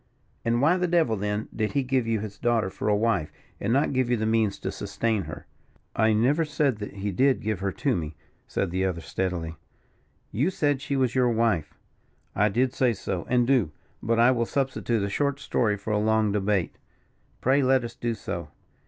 "And why the devil, then, did he give you his daughter for a wife, and not give you the means to sustain her." "I never said that he did give her to me," said the other, steadily. "You said she was your wife." "I did say so, and do. But I will substitute a short story for a long debate." "Pray let us do so."